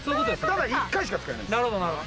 ただ１回しか使えないんです